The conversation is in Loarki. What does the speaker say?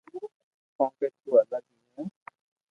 ڪونڪھ تو الگ ھي ھي